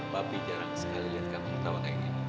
papi jarang sekali liat kamu ketawa kayak gini